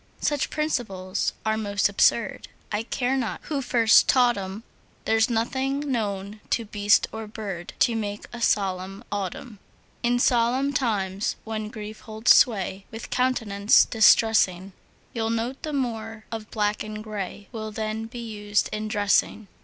Such principles are most absurd, I care not who first taught 'em; There's nothing known to beast or bird To make a solemn autumn. In solemn times, when grief holds sway With countenance distressing, You'll note the more of black and gray Will then be used in dressing.